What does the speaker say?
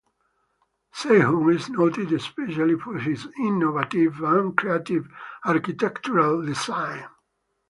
Seyhun is noted specially for his innovative and creative architectural design.